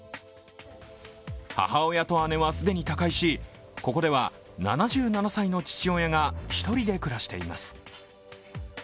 母親と姉は既に他界し、ここでは７７歳の父親が１人で暮らしています。